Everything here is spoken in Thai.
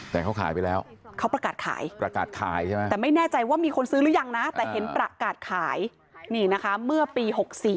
แต่เขาขายไปแล้วเขาประกาศขายประกาศขายใช่ไหมแต่ไม่แน่ใจว่ามีคนซื้อหรือยังนะแต่เห็นประกาศขายนี่นะคะเมื่อปี๖๔